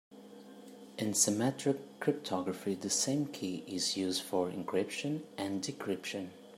In symmetric cryptography the same key is used for encryption and decryption.